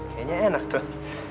kayaknya enak tuh